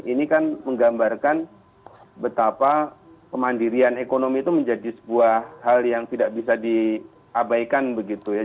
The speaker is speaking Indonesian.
ini kan menggambarkan betapa kemandirian ekonomi itu menjadi sebuah hal yang tidak bisa diabaikan begitu ya